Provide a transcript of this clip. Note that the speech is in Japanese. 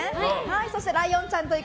そしてライオンちゃんと行く！